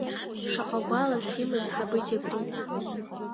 Шаҟа гәалас имаз Ҳабыџь абри.